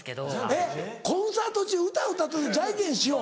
えっコンサート中歌歌ってる時「ジャンケンしよう」？